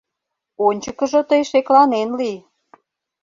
Ончыкыжо тый шекланен лий...